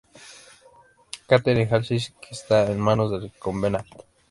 Catherine Halsey que está en manos del Covenant.